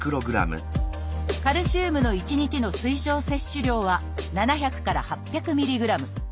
カルシウムの１日の推奨摂取量は７００から８００ミリグラム。